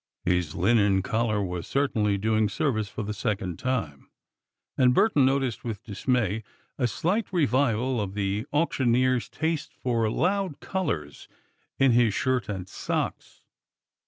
His linen collar was certainly doing service for the second time, and Burton noticed with dismay a slight revival of the auctioneer's taste for loud colors in his shirt and socks.